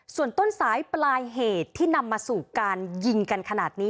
ส่วนต้นสายปลายเหตุที่นำมาสู่การยิงกันขนาดนี้